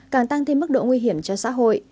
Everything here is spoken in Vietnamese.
càng tăng thêm mức độ nguy hiểm cho xã hội